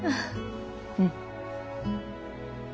うん。